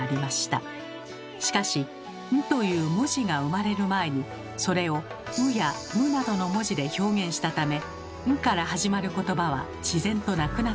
しかし「ん」という文字が生まれる前にそれを「う」や「む」などの文字で表現したため「ん」から始まることばは自然となくなっていきました。